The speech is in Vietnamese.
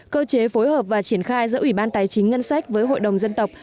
cơ chế phối hợp và triển khai giữa ủy ban tài chính ngân sách với hội đồng dân tộc